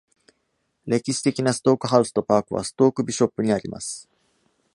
歴史的なストークハウスとパークはストークビショップにあります。